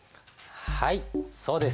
はいそうです。